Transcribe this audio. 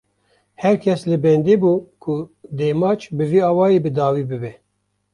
Her kes li bendê bû ku dê maç, bi vî awayî bi dawî bibe